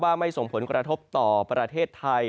ไม่ส่งผลกระทบต่อประเทศไทย